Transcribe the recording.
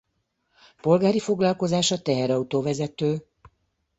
Polgári foglalkozása teherautó-vezető.